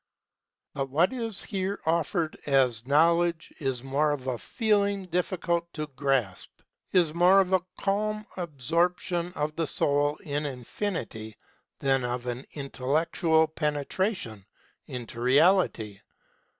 But what is here offered as Know ledge is more of a Feeling difficult to grasp is more of a calm absorption of the soul in Infinity than of an intellectual penetration into Reality.